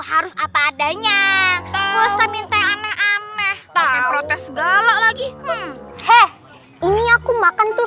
harus apa adanya kusut minta aneh aneh protes galau lagi hei ini aku makan tuh